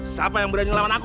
siapa yang berani lawan aku